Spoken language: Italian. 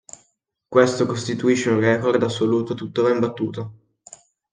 Questo costituisce un record assoluto tuttora imbattuto.